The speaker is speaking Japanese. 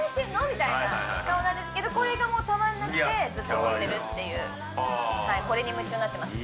みたいな顔なんですけどこれがたまんなくてずっと撮ってるっていうこれに夢中になってます